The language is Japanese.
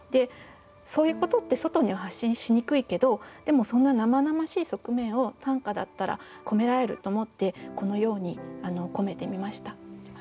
そういうことって外には発信しにくいけどでもそんな生々しい側面を短歌だったら込められると思ってこのように込めてみました。